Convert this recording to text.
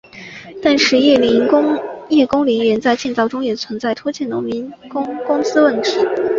但是叶公陵园在建造中也存在拖欠农民工工资问题。